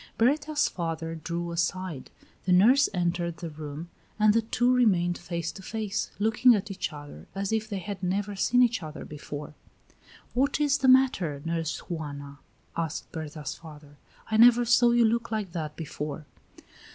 Berta's father drew aside; the nurse entered the room, and the two remained face to face, looking at each other as if they had never seen each other before." "What is the matter, Nurse Juana?" asked Berta's father. "I never saw you look like that before."